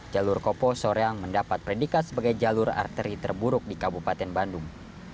jalur kopo soreang mendapat predikat sebagai jalur arteri terburuk di kabupaten bandung